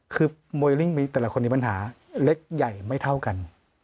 คือโมเลลิ่งมีแต่ละคนมีปัญหาเล็กใหญ่ไม่เท่ากัน